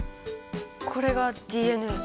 これがＤＮＡ？